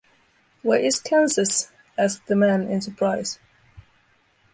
Where is Kansas? asked the man, in surprise.